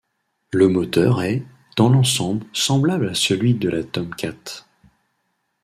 Le moteur est, dans l'ensemble, semblable à celui de la Tomcat.